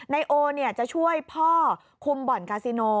ไนโอเนี่ยจะช่วยพ่อคุมบ่อนกาซิโน